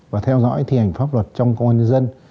và theo dõi thi hành pháp luật trong công an nhân dân